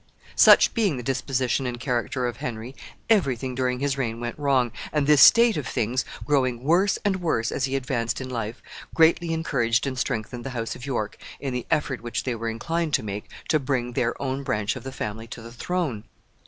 Such being the disposition and character of Henry, every thing during his reign went wrong, and this state of things, growing worse and worse as he advanced in life, greatly encouraged and strengthened the house of York in the effort which they were inclined to make to bring their own branch of the family to the throne.